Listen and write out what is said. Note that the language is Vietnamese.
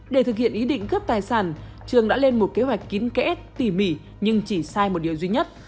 để thực hiện ý định cướp tài sản trường đã lên một kế hoạch kín kẽ tỉ mỉ nhưng chỉ sai một điều duy nhất